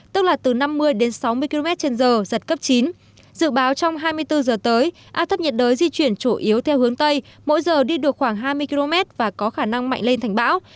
sức gió mạnh nhất ở vùng gần tâm áp thấp nhiệt đới di chuyển chủ yếu theo hướng tây mỗi giờ đi được khoảng hai mươi km và có khả năng mạnh lên thành bão